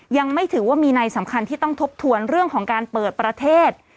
ยังไม่ถือว่ามีในสำคัญที่ต้องทบทวนเรื่องของการเปิดประเทศ